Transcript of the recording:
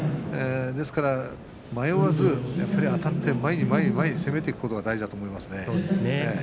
ですから迷わずやはりあたって前に前に攻めていくことが大事だと思いますね。